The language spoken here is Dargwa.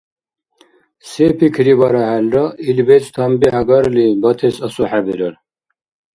Се пикрибарахӀелра, ил бецӀ танбихӀ агарли батес асухӀебирар.